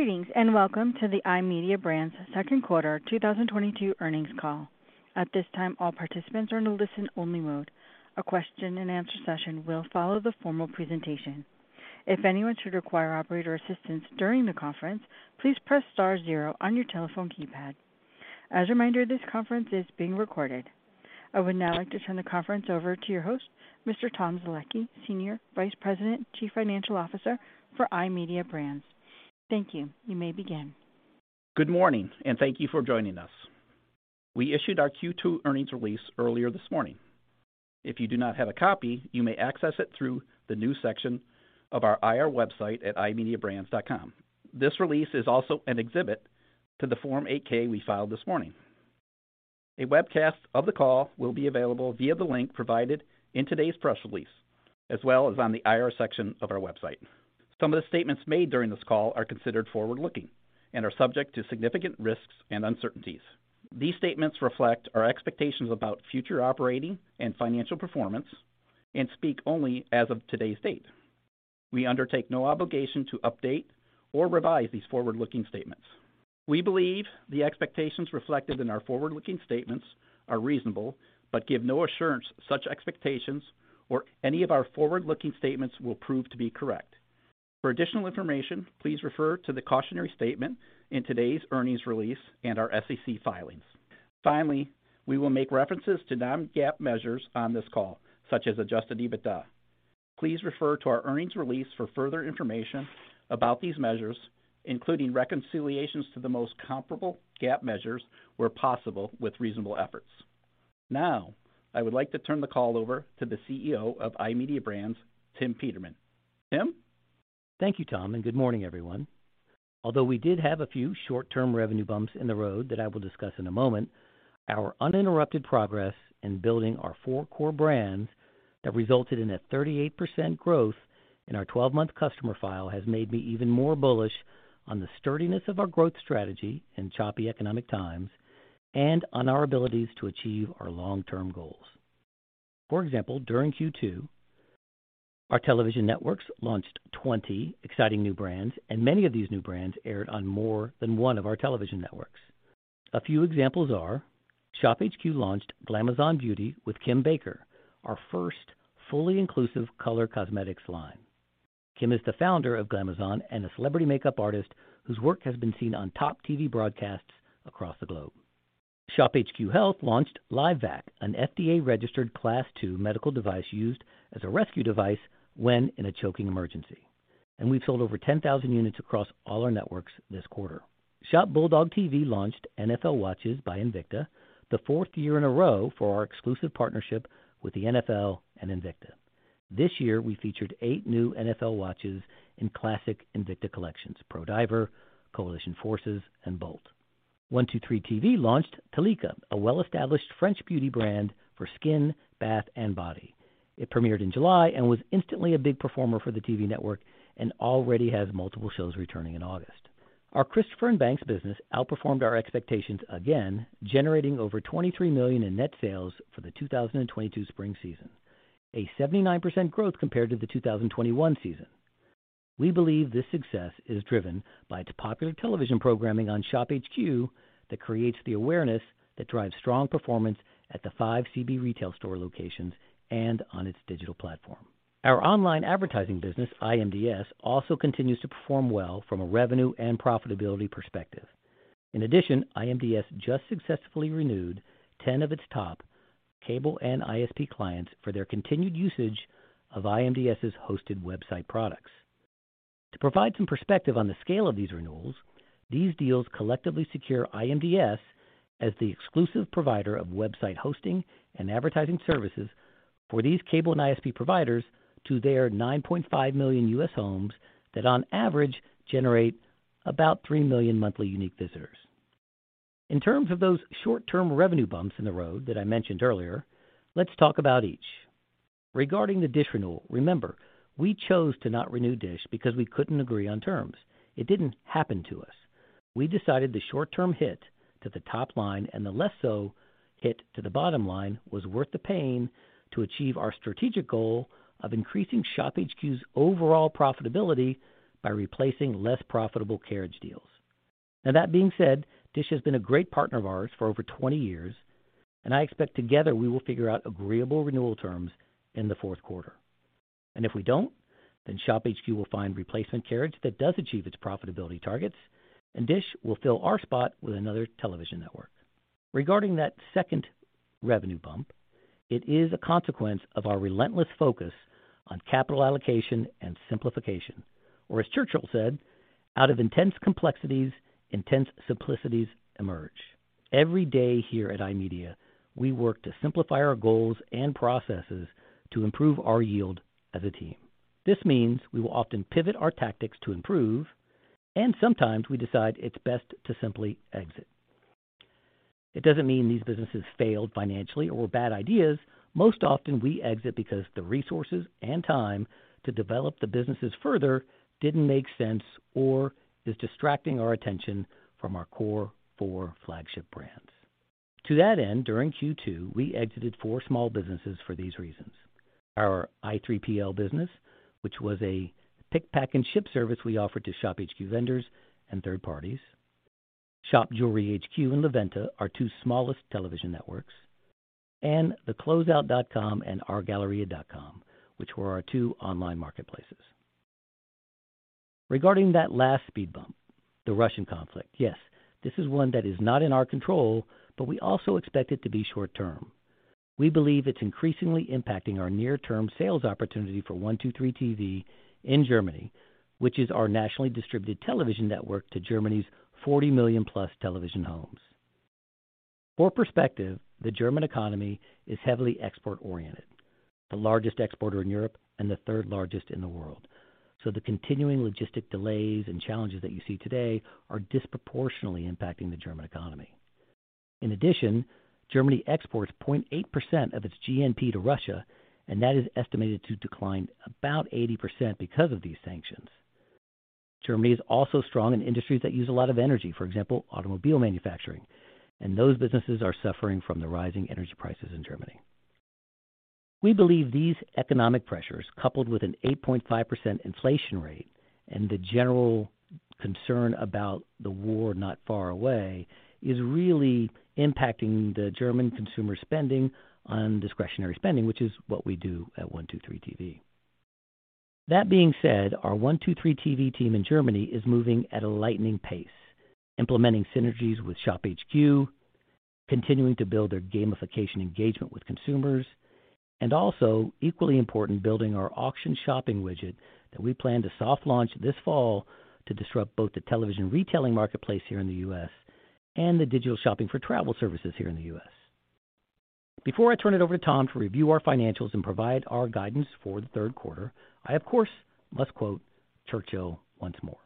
Greetings, and welcome to the iMedia Brands second quarter 2022 earnings call. At this time, all participants are in a listen only mode. A question and answer session will follow the formal presentation. If anyone should require operator assistance during the conference, please press star zero on your telephone keypad. As a reminder, this conference is being recorded. I would now like to turn the conference over to your host, Mr. Tom Zielecki, Senior Vice President, Chief Financial Officer for iMedia Brands. Thank you. You may begin. Good morning, and thank you for joining us. We issued our Q2 earnings release earlier this morning. If you do not have a copy, you may access it through the news section of our IR website at imediabrands.com. This release is also an exhibit to the Form 8-K we filed this morning. A webcast of the call will be available via the link provided in today's press release as well as on the IR section of our website. Some of the statements made during this call are considered forward-looking and are subject to significant risks and uncertainties. These statements reflect our expectations about future operating and financial performance and speak only as of today's date. We undertake no obligation to update or revise these forward-looking statements. We believe the expectations reflected in our forward-looking statements are reasonable, but give no assurance such expectations or any of our forward-looking statements will prove to be correct. For additional information, please refer to the cautionary statement in today's earnings release and our SEC filings. Finally, we will make references to non-GAAP measures on this call, such as adjusted EBITDA. Please refer to our earnings release for further information about these measures, including reconciliations to the most comparable GAAP measures, where possible, with reasonable efforts. Now, I would like to turn the call over to the CEO of iMedia Brands, Tim Peterman. Tim. Thank you, Tom, and good morning, everyone. Although we did have a few short-term revenue bumps in the road that I will discuss in a moment, our uninterrupted progress in building our four core brands that resulted in a 38% growth in our 12-month customer file has made me even more bullish on the sturdiness of our growth strategy in choppy economic times and on our abilities to achieve our long-term goals. For example, during Q2, our television networks launched 20 exciting new brands, and many of these new brands aired on more than one of our television networks. A few examples are ShopHQ launched Glamazon Beauty with Kim Baker, our first fully inclusive color cosmetics line. Kim is the founder of Glamazon and a celebrity makeup artist whose work has been seen on top TV broadcasts across the globe. ShopHQ Health launched LifeVac, an FDA-registered Class two medical device used as a rescue device when in a choking emergency, and we've sold over 10,000 units across all our networks this quarter. ShopBulldogTV launched NFL Watches by Invicta, the fourth year in a row for our exclusive partnership with the NFL and Invicta. This year, we featured 8 new NFL watches in classic Invicta collections, Pro Diver, Coalition Forces, and Bolt. 1-2-3.tv launched Talika, a well-established French beauty brand for skin, bath, and body. It premiered in July and was instantly a big performer for the TV network and already has multiple shows returning in August. Our Christopher & Banks business outperformed our expectations again, generating over $23 million in net sales for the 2022 spring season, a 79% growth compared to the 2021 season. We believe this success is driven by its popular television programming on ShopHQ that creates the awareness that drives strong performance at the five Christopher & Banks retail store locations and on its digital platform. Our online advertising business, iMDS, also continues to perform well from a revenue and profitability perspective. In addition, iMDS just successfully renewed 10 of its top cable and ISP clients for their continued usage of iMDS's hosted website products. To provide some perspective on the scale of these renewals, these deals collectively secure iMDS as the exclusive provider of website hosting and advertising services for these cable and ISP providers to their 9.5 million U.S. homes that on average generate about three million monthly unique visitors. In terms of those short-term revenue bumps in the road that I mentioned earlier, let's talk about each. Regarding the DISH renewal, remember, we chose to not renew DISH because we couldn't agree on terms. It didn't happen to us. We decided the short-term hit to the top line and the less so hit to the bottom line was worth the pain to achieve our strategic goal of increasing ShopHQ's overall profitability by replacing less profitable carriage deals. Now that being said, DISH has been a great partner of ours for over 20 years, and I expect together we will figure out agreeable renewal terms in the fourth quarter. If we don't, then ShopHQ will find replacement carriage that does achieve its profitability targets, and DISH will fill our spot with another television network. Regarding that second revenue bump, it is a consequence of our relentless focus on capital allocation and simplification. As Churchill said, "Out of intense complexities, intense simplicities emerge." Every day here at iMedia, we work to simplify our goals and processes to improve our yield as a team. This means we will often pivot our tactics to improve, and sometimes we decide it's best to simply exit. It doesn't mean these businesses failed financially or were bad ideas. Most often we exit because the resources and time to develop the businesses further didn't make sense or is distracting our attention from our core four flagship brands. To that end, during Q2, we exited four small businesses for these reasons. Our i3PL business, which was a pick, pack, and ship service we offered to ShopHQ vendors and third parties. ShopJewelryHQ and LaVenta, our two smallest television networks, and TheCloseOut.com and OurGalleria.com, which were our two online marketplaces. Regarding that last speed bump, the Russian conflict, yes, this is one that is not in our control, but we also expect it to be short term. We believe it's increasingly impacting our near-term sales opportunity for 1-2-3.tv in Germany, which is our nationally distributed television network to Germany's 40+ million plus television homes. For perspective, the German economy is heavily export-oriented, the largest exporter in Europe and the third largest in the world. The continuing logistic delays and challenges that you see today are disproportionately impacting the German economy. In addition, Germany exports 0.8% of its GNP to Russia, and that is estimated to decline about 80% because of these sanctions. Germany is also strong in industries that use a lot of energy, for example, automobile manufacturing, and those businesses are suffering from the rising energy prices in Germany. We believe these economic pressures, coupled with an 8.5% inflation rate and the general concern about the war not far away, is really impacting the German consumer spending on discretionary spending, which is what we do at 1-2-3.tv. That being said, our 1-2-3.tv team in Germany is moving at a lightning pace, implementing synergies with ShopHQ, continuing to build their gamification engagement with consumers, and also equally important, building our auction shopping widget that we plan to soft launch this fall to disrupt both the television retailing marketplace here in the U.S. and the digital shopping for travel services here in the U.S. Before I turn it over to Tom to review our financials and provide our guidance for the third quarter, I of course must quote Churchill once more.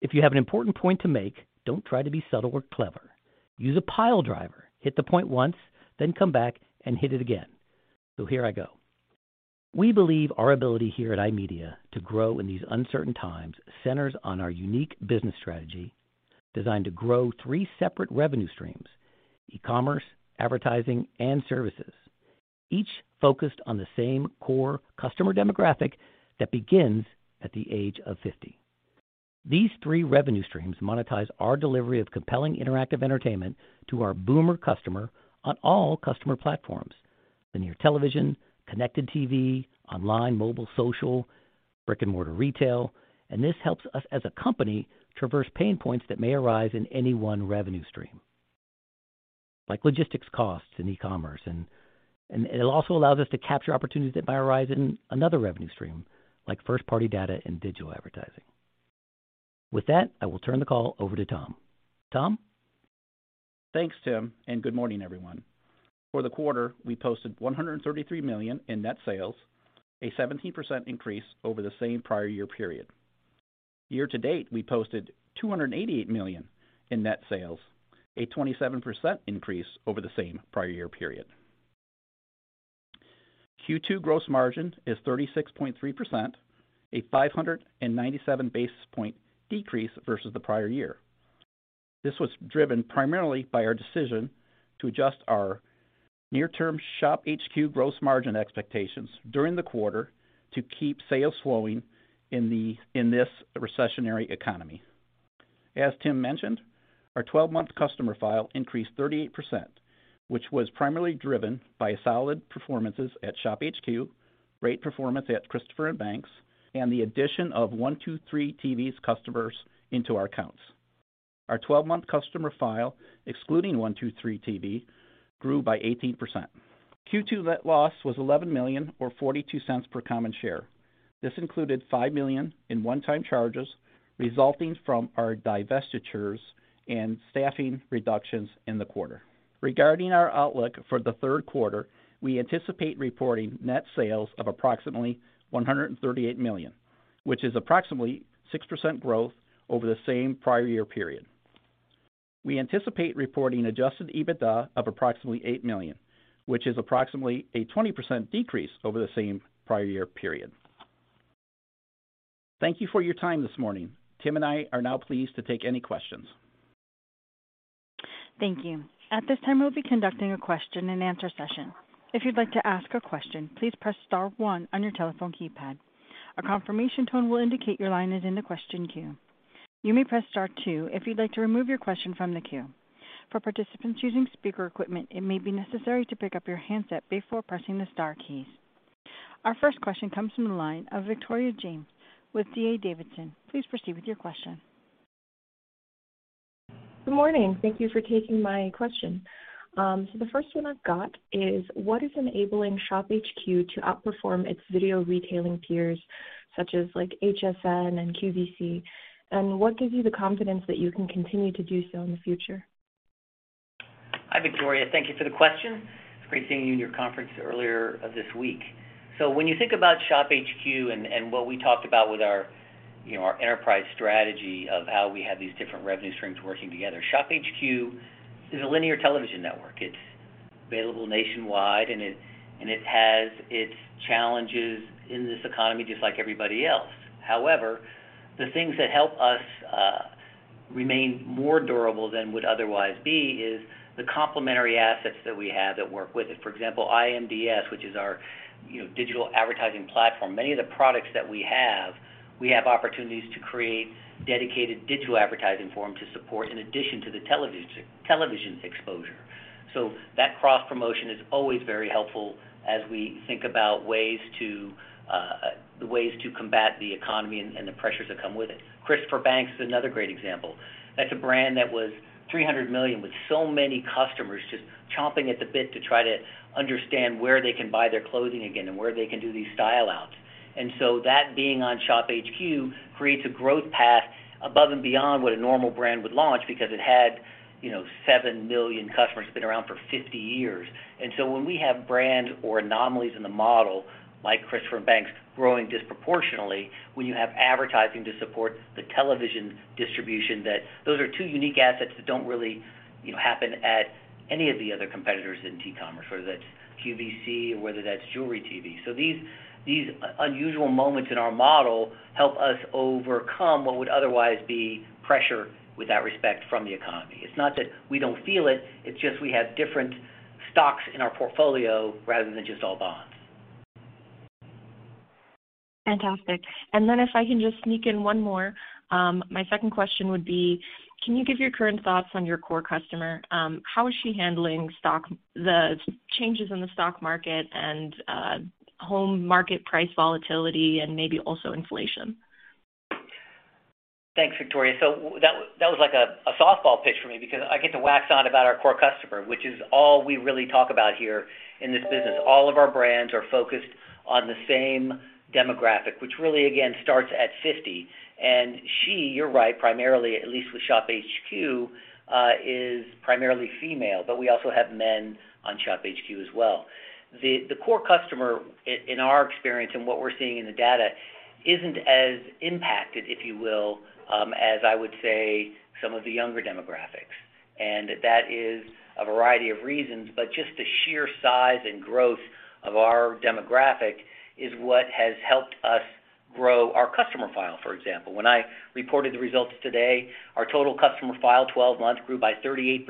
If you have an important point to make, don't try to be subtle or clever. Use a pile driver. Hit the point once, then come back and hit it again." Here I go. We believe our ability here at iMedia to grow in these uncertain times centers on our unique business strategy designed to grow three separate revenue streams, e-commerce, advertising, and services, each focused on the same core customer demographic that begins at the age of 50. These three revenue streams monetize our delivery of compelling interactive entertainment to our boomer customer on all customer platforms, linear television, connected TV, online, mobile, social, brick-and-mortar retail. This helps us as a company traverse pain points that may arise in any one revenue stream, like logistics costs in e-commerce, and it also allows us to capture opportunities that might arise in another revenue stream, like first-party data and digital advertising. With that, I will turn the call over to Tom. Tom? Thanks, Tim, and good morning, everyone. For the quarter, we posted $133 million in net sales, a 17% increase over the same prior year period. Year to date, we posted $288 million in net sales, a 27% increase over the same prior year period. Q2 gross margin is 36.3%, a 597 basis point decrease versus the prior year. This was driven primarily by our decision to adjust our near-term ShopHQ gross margin expectations during the quarter to keep sales flowing in this recessionary economy. As Tim mentioned, our twelve-month customer file increased 38%, which was primarily driven by solid performances at ShopHQ, great performance at Christopher & Banks, and the addition of 1-2-3.tv's customers into our accounts. Our twelve-month customer file, excluding 1-2-3.tv, grew by 18%. Q2 net loss was $11 million or $0.42 per common share. This included $5 million in one-time charges resulting from our divestitures and staffing reductions in the quarter. Regarding our outlook for the third quarter, we anticipate reporting net sales of approximately $138 million, which is approximately 6% growth over the same prior year period. We anticipate reporting adjusted EBITDA of approximately $8 million, which is approximately a 20% decrease over the same prior year period. Thank you for your time this morning. Tim and I are now pleased to take any questions. Thank you. At this time, we'll be conducting a question and answer session. If you'd like to ask a question, please press star one on your telephone keypad. A confirmation tone will indicate your line is in the question queue. You may press star two if you'd like to remove your question from the queue. For participants using speaker equipment, it may be necessary to pick up your handset before pressing the star keys. Our first question comes from the line of Victoria James with D.A. Davidson. Please proceed with your question. Good morning. Thank you for taking my question. The first one I've got is, what is enabling ShopHQ to outperform its video retailing peers, such as like HSN and QVC? What gives you the confidence that you can continue to do so in the future? Hi, Victoria. Thank you for the question. It's great seeing you in your conference earlier this week. When you think about ShopHQ and what we talked about with our, you know, our enterprise strategy of how we have these different revenue streams working together. ShopHQ is a linear television network. It's- Available nationwide. It has its challenges in this economy just like everybody else. However, the things that help us remain more durable than would otherwise be is the complementary assets that we have that work with it. For example, IMDS, which is our, you know, digital advertising platform. Many of the products that we have, we have opportunities to create dedicated digital advertising for them to support in addition to the television exposure. So that cross-promotion is always very helpful as we think about ways to combat the economy and the pressures that come with it. Christopher & Banks is another great example. That's a brand that was $300 million with so many customers just chomping at the bit to try to understand where they can buy their clothing again and where they can do these style outs. That being on ShopHQ creates a growth path above and beyond what a normal brand would launch because it had, you know, 7 million customers. It's been around for 50 years. When we have brands or anomalies in the model like Christopher & Banks growing disproportionately, when you have advertising to support the television distribution, that those are two unique assets that don't really, you know, happen at any of the other competitors in T-commerce, whether that's QVC or whether that's Jewelry Television. These, these unusual moments in our model help us overcome what would otherwise be pressure with that respect from the economy. It's not that we don't feel it's just we have different stocks in our portfolio rather than just all bonds. Fantastic. If I can just sneak in one more. My second question would be, can you give your current thoughts on your core customer? How is she handling the changes in the stock market and housing market price volatility and maybe also inflation? Thanks, Victoria. That was like a softball pitch for me because I get to wax on about our core customer, which is all we really talk about here in this business. All of our brands are focused on the same demographic, which really again starts at 50. She, you're right, primarily, at least with ShopHQ, is primarily female, but we also have men on ShopHQ as well. The core customer in our experience and what we're seeing in the data isn't as impacted, if you will, as I would say, some of the younger demographics. That is for a variety of reasons, but just the sheer size and growth of our demographic is what has helped us grow our customer file, for example. When I reported the results today, our total customer file twelve months grew by 38%.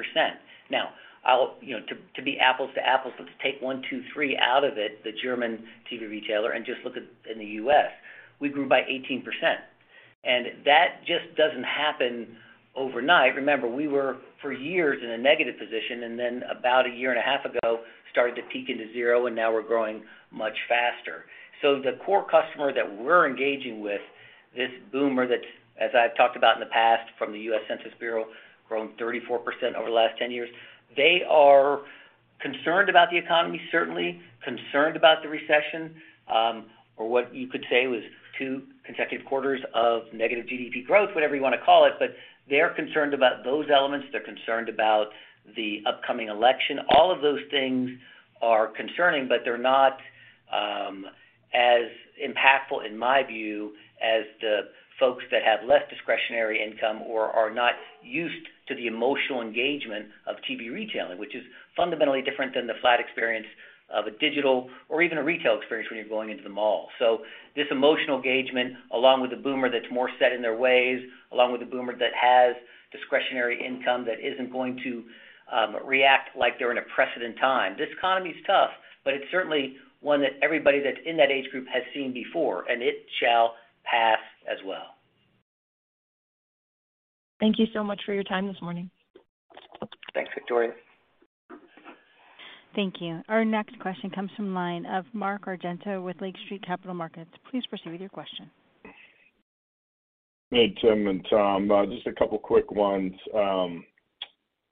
Now I'll... You know, to be apples to apples, let's take one, two, three out of it, the German TV retailer, and just look at it in the US. We grew by 18%. That just doesn't happen overnight. Remember, we were for years in a negative position and then about a year and a half ago started to peak into zero, and now we're growing much faster. The core customer that we're engaging with, this boomer that, as I've talked about in the past from the U.S. Census Bureau, grown 34% over the last 10 years, they are concerned about the economy, certainly concerned about the recession, or what you could say was two consecutive quarters of negative GDP growth, whatever you wanna call it. They're concerned about those elements. They're concerned about the upcoming election. All of those things are concerning, but they're not as impactful, in my view, as the folks that have less discretionary income or are not used to the emotional engagement of TV retailing, which is fundamentally different than the flat experience of a digital or even a retail experience when you're going into the mall. This emotional engagement, along with the boomer that's more set in their ways, along with the boomer that has discretionary income that isn't going to react like they're in a precedent time. This economy is tough, but it's certainly one that everybody that's in that age group has seen before, and it shall pass as well. Thank you so much for your time this morning. Thanks, Victoria. Thank you. Our next question comes from line of Mark Argento with Lake Street Capital Markets. Please proceed with your question. Hey, Tim and Tom. Just a couple quick ones.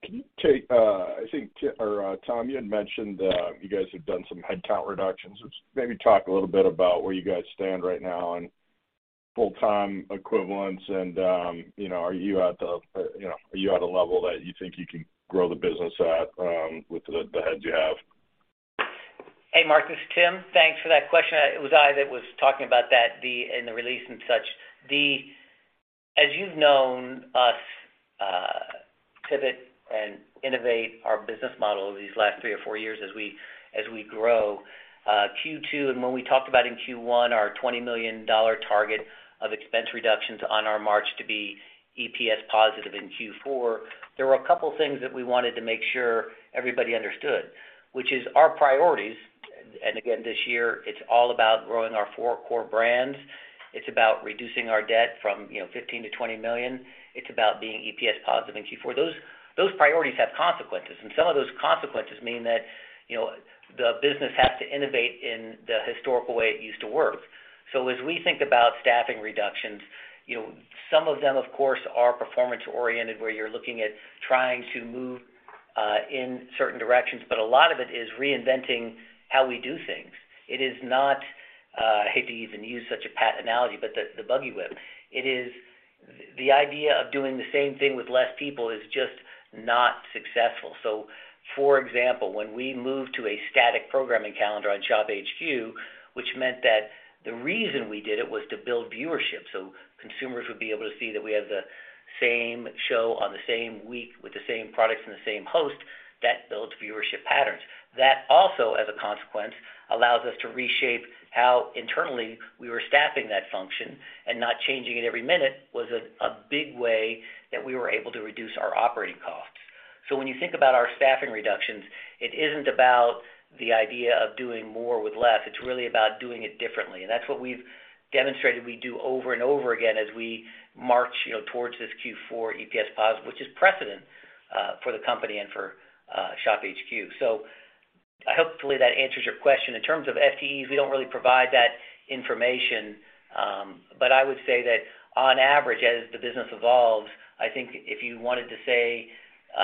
Can you take... I think Tom, you had mentioned you guys have done some headcount reductions. Just maybe talk a little bit about where you guys stand right now on full-time equivalents and, you know, are you at a level that you think you can grow the business at, with the heads you have? Hey, Mark, this is Tim. Thanks for that question. It was I that was talking about that in the release and such. As you've known us pivot and innovate our business model over these last three or four years as we grow Q2 and when we talked about in Q1 our $20 million target of expense reductions on our march to be EPS positive in Q4, there were a couple things that we wanted to make sure everybody understood, which is our priorities. Again, this year it's all about growing our four core brands. It's about reducing our debt from, you know, $15 million-$20 million. It's about being EPS positive in Q4. Those priorities have consequences, and some of those consequences mean that, you know, the business has to innovate in the historical way it used to work. As we think about staffing reductions, you know, some of them of course are performance oriented, where you're looking at trying to move in certain directions, but a lot of it is reinventing how we do things. It is not, I hate to even use such a pat analogy, but the buggy whip. It is the idea of doing the same thing with less people is just not successful. For example, when we moved to a static programming calendar on ShopHQ, which meant that the reason we did it was to build viewership, so consumers would be able to see that we have the same show on the same week with the same products and the same host that builds viewership patterns. That also, as a consequence, allows us to reshape how internally we were staffing that function and not changing it every minute was a big way that we were able to reduce our operating costs. When you think about our staffing reductions, it isn't about the idea of doing more with less. It's really about doing it differently. That's what we've demonstrated we do over and over again as we march, you know, towards this Q4 EPS positive, which is precedent for the company and for ShopHQ. Hopefully, that answers your question. In terms of FTEs, we don't really provide that information. I would say that on average, as the business evolves, I think if you wanted to say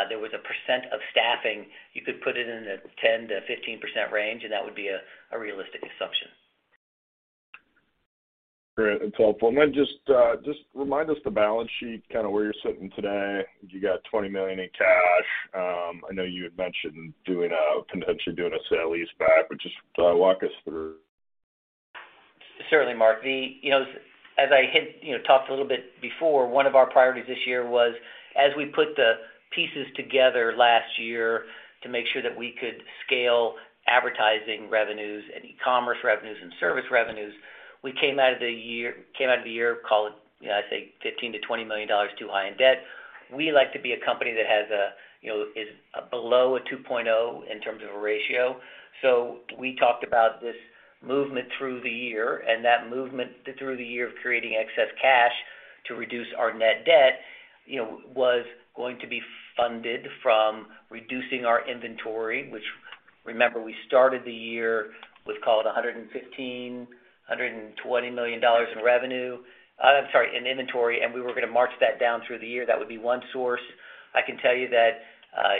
there was a percent of staffing, you could put it in the 10%-15% range, and that would be a realistic assumption. Great. That's helpful. Just remind us the balance sheet, kinda where you're sitting today. You got $20 million in cash. I know you had mentioned potentially doing a sale-leaseback, but just walk us through. Certainly, Mark. You know, as I talked a little bit before, one of our priorities this year was, as we put the pieces together last year to make sure that we could scale advertising revenues and e-commerce revenues and service revenues, we came out of the year, call it, you know, I'd say $15-$20 million too high in debt. We like to be a company that has a, you know, is below 2.0 in terms of a ratio. We talked about this movement through the year, and that movement through the year of creating excess cash to reduce our net debt, you know, was going to be funded from reducing our inventory, which remember we started the year with, call it $115-$120 million in revenue. I'm sorry, in inventory, and we were gonna march that down through the year. That would be one source. I can tell you that,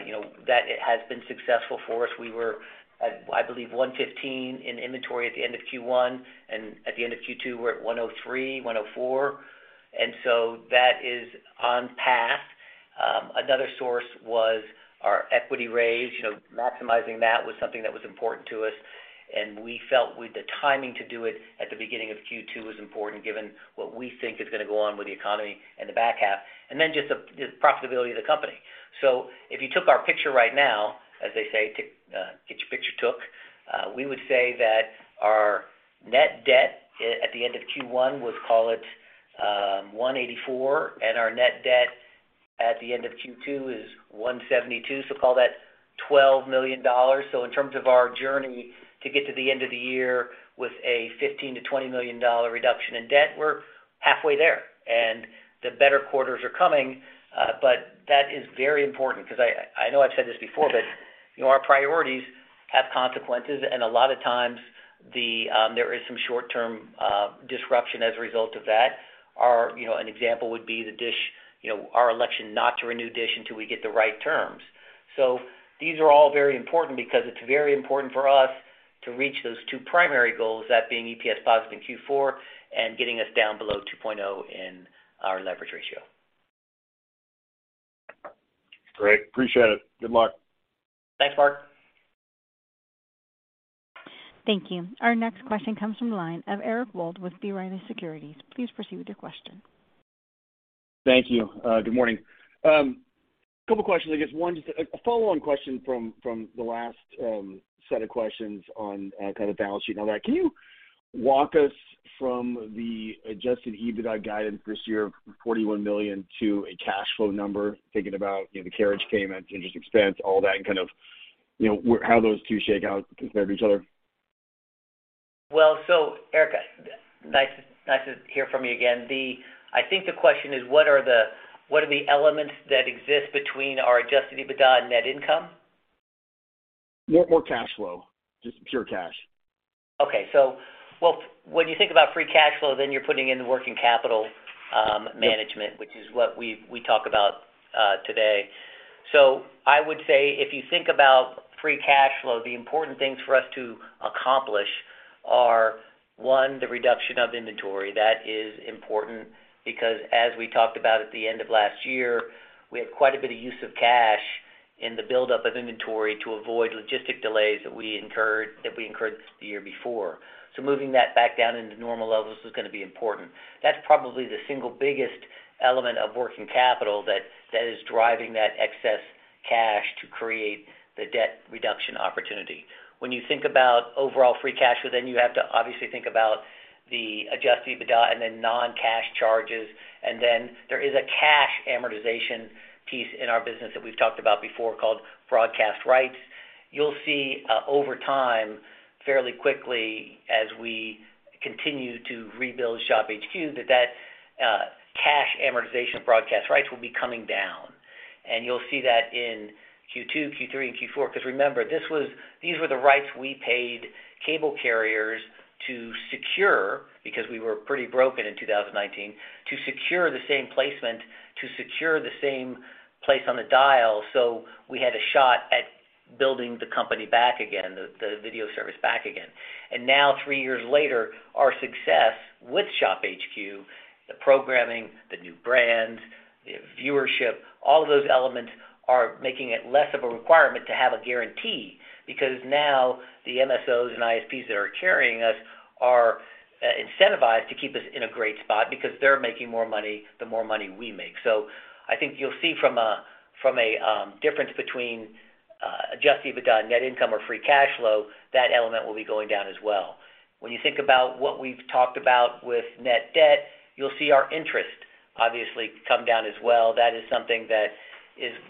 you know, that it has been successful for us. We were at, I believe, 115 in inventory at the end of Q1, and at the end of Q2, we're at 103, 104. That is on path. Another source was our equity raise. You know, maximizing that was something that was important to us, and we felt with the timing to do it at the beginning of Q2 was important given what we think is gonna go on with the economy in the back half, and then just the profitability of the company. If you took our picture right now, as they say, to get your picture took, we would say that our net debt at the end of Q1 was, call it, 184, and our net debt at the end of Q2 is 172, so call that $12 million. In terms of our journey to get to the end of the year with a $15 million-$20 million reduction in debt, we're halfway there. The better quarters are coming, but that is very important because I know I've said this before, but you know, our priorities have consequences. A lot of times, there is some short-term disruption as a result of that. You know, an example would be DISH, you know, our election not to renew DISH until we get the right terms. These are all very important because it's very important for us to reach those two primary goals, that being EPS positive in Q4 and getting us down below 2.0 in our leverage ratio. Great. Appreciate it. Good luck. Thanks, Mark. Thank you. Our next question comes from the line of Eric Wold with B. Riley Securities. Please proceed with your question. Thank you. Good morning. A couple questions, I guess. One, just a follow-on question from the last set of questions on kind of balance sheet and all that. Can you walk us from the adjusted EBITDA guidance this year of $41 million to a cash flow number, thinking about, you know, the carriage payments, interest expense, all that, and kind of, you know, where how those two shake out compared to each other? Well, Eric, nice to hear from you again. I think the question is what are the elements that exist between our adjusted EBITDA and net income? More cash flow, just pure cash. Okay. Well, when you think about free cash flow, then you're putting in the working capital management, which is what we talk about today. I would say if you think about free cash flow, the important things for us to accomplish are, one, the reduction of inventory. That is important because as we talked about at the end of last year, we had quite a bit of use of cash in the buildup of inventory to avoid logistic delays that we incurred the year before. Moving that back down into normal levels is gonna be important. That's probably the single biggest element of working capital that is driving that excess cash to create the debt reduction opportunity. When you think about overall free cash flow, then you have to obviously think about the adjusted EBITDA and then non-cash charges. There is a cash amortization piece in our business that we've talked about before called broadcast rights. You'll see, over time, fairly quickly as we continue to rebuild ShopHQ, that cash amortization of broadcast rights will be coming down. You'll see that in Q2, Q3, and Q4 because remember, these were the rights we paid cable carriers to secure because we were pretty broken in 2019 to secure the same placement, to secure the same place on the dial so we had a shot at building the company back again, the video service back again. Now three years later, our success with ShopHQ, the programming, the new brands, the viewership, all of those elements are making it less of a requirement to have a guarantee because now the MSOs and ISPs that are carrying us are incentivized to keep us in a great spot because they're making more money, the more money we make. I think you'll see from a difference between adjusted EBITDA and net income or free cash flow, that element will be going down as well. When you think about what we've talked about with net debt, you'll see our interest obviously come down as well. That is something that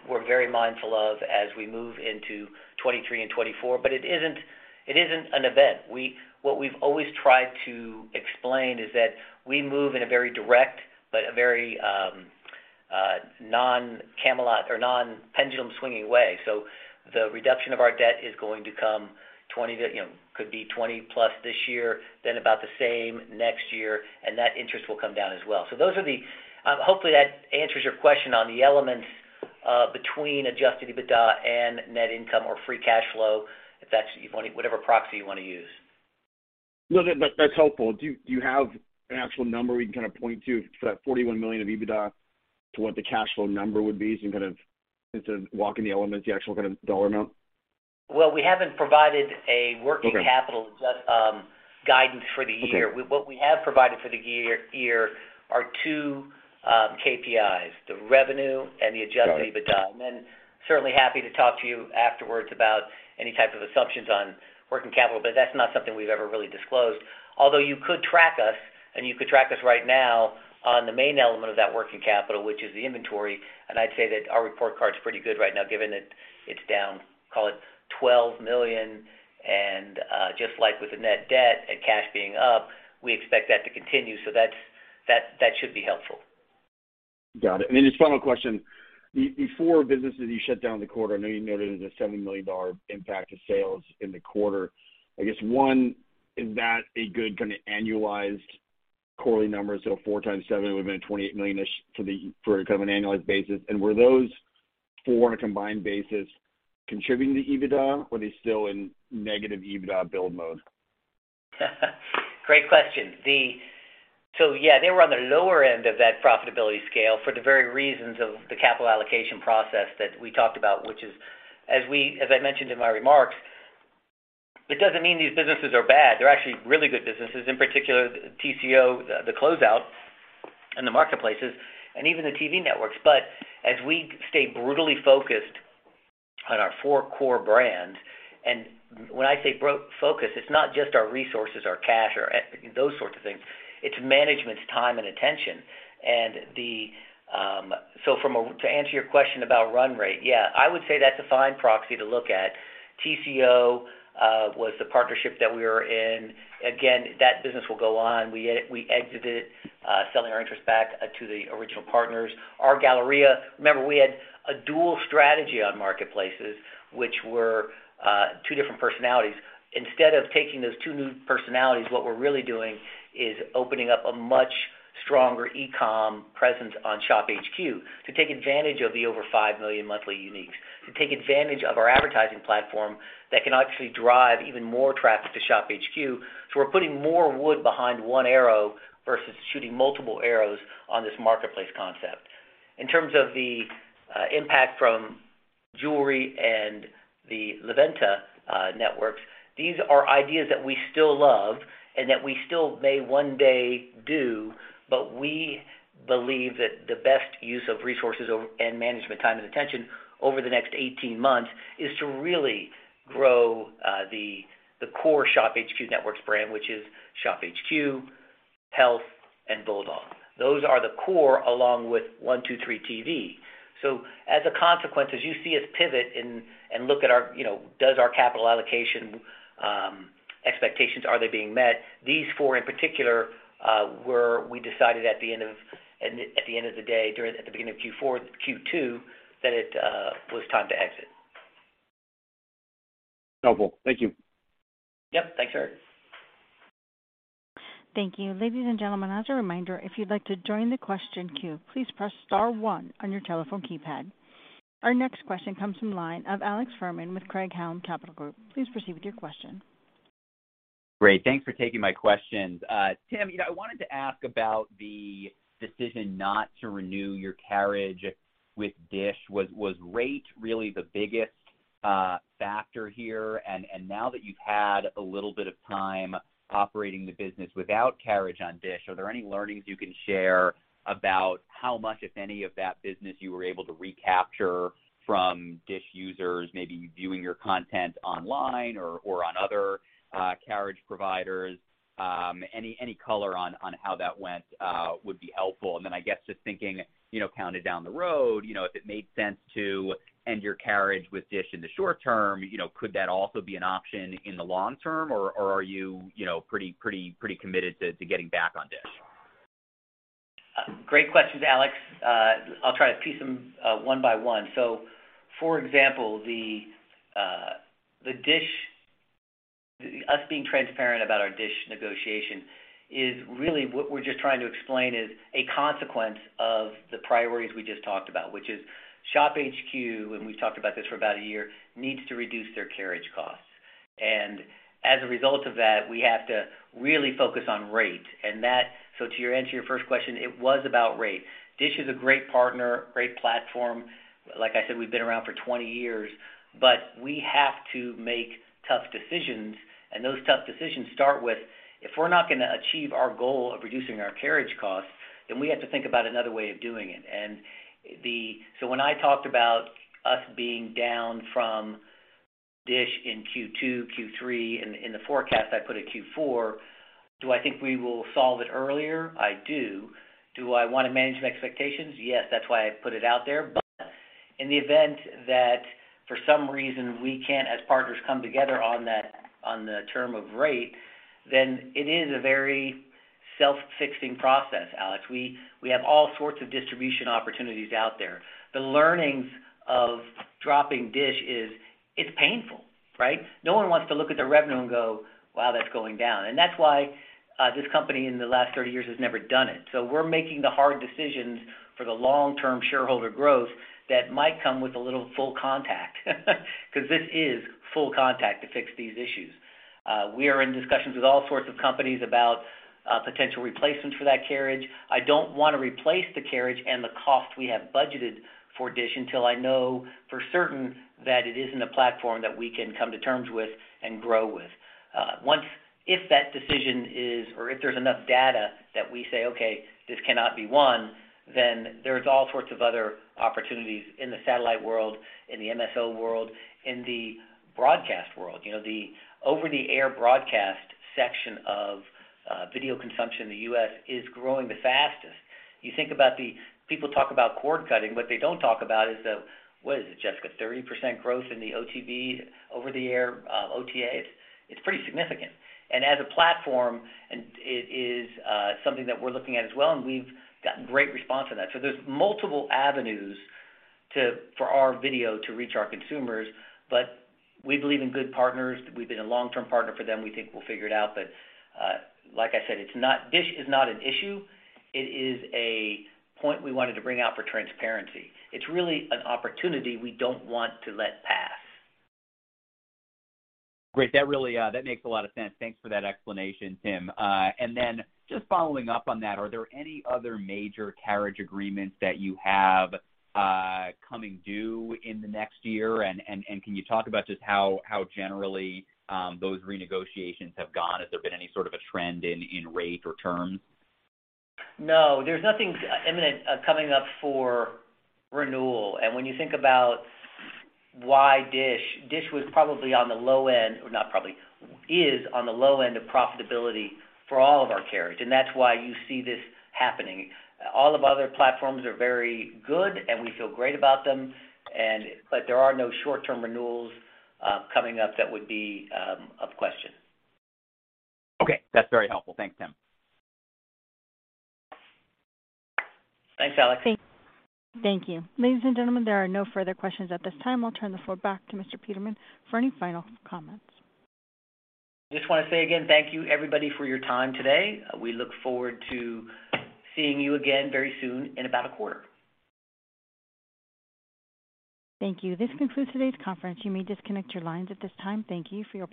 we're very mindful of as we move into 2023 and 2024. It isn't an event. What we've always tried to explain is that we move in a very direct but a very non-catastrophic or non-pendulum swinging way. The reduction of our debt is going to come $20+ this year, then about the same next year, and that interest will come down as well. Those are the elements between adjusted EBITDA and net income or free cash flow, hopefully that answers your question, if that's whatever proxy you want to use. No, that's helpful. Do you have an actual number we can kind of point to for that $41 million of EBITDA to what the cash flow number would be? Some kind of instead of walking the elements, the actual kind of dollar amount? Well, we haven't provided a working capital. Okay. guidance for the year. Okay. What we have provided for the year are two KPIs, the revenue and the adjusted EBITDA. Got it. Certainly happy to talk to you afterwards about any type of assumptions on working capital, but that's not something we've ever really disclosed. Although you could track us, and you could track us right now on the main element of that working capital, which is the inventory. I'd say that our report card is pretty good right now, given it's down, call it $12 million. Just like with the net debt and cash being up, we expect that to continue. That should be helpful. Got it. Then just final question. The four businesses you shut down in the quarter, I know you noted a $70 million impact to sales in the quarter. I guess one, is that a good kind of annualized quarterly number? Four times seven would have been a 28 million-ish for kind of an annualized basis. Were those four on a combined basis contributing to EBITDA or are they still in negative EBITDA build mode? Great question. Yeah, they were on the lower end of that profitability scale for the very reasons of the capital allocation process that we talked about, which is, as I mentioned in my remarks, it doesn't mean these businesses are bad. They're actually really good businesses, in particular TCO, the closeout and the marketplaces, and even the TV networks. But as we stay brutally focused on our four core brands, and when I say focus, it's not just our resources, our cash, those sorts of things, it's management's time and attention. To answer your question about run rate, yeah, I would say that's a fine proxy to look at. TCO was the partnership that we were in. Again, that business will go on. We exited selling our interest back to the original partners. OurGalleria.com. Remember, we had a dual strategy on marketplaces, which were two different personalities. Instead of taking those two new personalities, what we're really doing is opening up a much stronger e-com presence on ShopHQ to take advantage of the over 5 million monthly uniques, to take advantage of our advertising platform that can actually drive even more traffic to ShopHQ. We're putting more wood behind one arrow versus shooting multiple arrows on this marketplace concept. In terms of the impact from jewelry and the LaVenta networks, these are ideas that we still love and that we still may one day do, but we believe that the best use of resources and management time and attention over the next 18 months is to really grow the core ShopHQ Networks brand, which is ShopHQ, Health and Bulldog. Those are the core along with 1-2-3tv. As a consequence, as you see us pivot and look at our, you know, does our capital allocation expectations, are they being met? These four in particular, we decided at the end of the day, at the beginning of Q4 2022, that it was time to exit. Helpful. Thank you. Yep. Thanks, Eric. Thank you. Ladies and gentlemen, as a reminder, if you'd like to join the question queue, please press star one on your telephone keypad. Our next question comes from the line of Alex Fuhrman with Craig-Hallum Capital Group. Please proceed with your question. Great. Thanks for taking my questions. Tim, you know, I wanted to ask about the decision not to renew your carriage with DISH. Was rate really the biggest factor here? Now that you've had a little bit of time operating the business without carriage on DISH, are there any learnings you can share about how much, if any, of that business you were able to recapture from DISH users maybe viewing your content online or on other carriage providers? Any color on how that went would be helpful. I guess just thinking, you know, looking down the road, you know, if it made sense to end your carriage with DISH in the short term, you know, could that also be an option in the long term? Are you know, pretty committed to getting back on DISH? Great questions, Alex. I'll try to piece them one by one. For example, the DISH. Us being transparent about our DISH negotiation is really what we're just trying to explain is a consequence of the priorities we just talked about, which is ShopHQ, and we've talked about this for about a year, needs to reduce their carriage costs. As a result of that, we have to really focus on rate, and that. To answer your first question, it was about rate. DISH is a great partner, great platform. Like I said, we've been around for 20 years, but we have to make tough decisions. Those tough decisions start with, if we're not gonna achieve our goal of reducing our carriage costs, then we have to think about another way of doing it. When I talked about us being down from DISH in Q2, Q3, in the forecast I put at Q4, do I think we will solve it earlier? I do. Do I wanna manage my expectations? Yes. That's why I put it out there. In the event that for some reason we can't, as partners, come together on that, on the term of rate, then it is a very self-fixing process, Alex. We have all sorts of distribution opportunities out there. The learnings of dropping DISH is it's painful, right? No one wants to look at their revenue and go, "Wow, that's going down." That's why this company in the last 30 years has never done it. We're making the hard decisions for the long-term shareholder growth that might come with a little full contact. 'Cause this is full contact to fix these issues. We are in discussions with all sorts of companies about potential replacements for that carriage. I don't wanna replace the carriage and the cost we have budgeted for DISH until I know for certain that it isn't a platform that we can come to terms with and grow with. If that decision is or if there's enough data that we say, "Okay, this cannot be won," then there's all sorts of other opportunities in the satellite world, in the MSO world, in the broadcast world. You know, the over-the-air broadcast section of video consumption in the U.S. is growing the fastest. People talk about cord cutting. What they don't talk about is, Jessica, 30% growth in the OTA, over-the-air, OTAs. It's pretty significant. As a platform and it is, something that we're looking at as well, and we've gotten great response on that. There's multiple avenues for our video to reach our consumers, but we believe in good partners. We've been a long-term partner for them. We think we'll figure it out. Like I said, it's not. DISH is not an issue. It is a point we wanted to bring out for transparency. It's really an opportunity we don't want to let pass. Great. That really, that makes a lot of sense. Thanks for that explanation, Tim. Just following up on that, are there any other major carriage agreements that you have coming due in the next year? Can you talk about just how generally those renegotiations have gone? Has there been any sort of a trend in rate or terms? No, there's nothing imminent, coming up for renewal. When you think about why DISH was probably on the low end, or not probably, is on the low end of profitability for all of our carriage, and that's why you see this happening. All of our other platforms are very good, and we feel great about them, but there are no short-term renewals, coming up that would be of question. Okay, that's very helpful. Thanks, Tim. Thanks, Alex. Thank you. Ladies and gentlemen, there are no further questions at this time. I'll turn the floor back to Mr. Peterman for any final comments. Just wanna say again thank you, everybody, for your time today. We look forward to seeing you again very soon in about a quarter. Thank you. This concludes today's conference. You may disconnect your lines at this time. Thank you for your participation.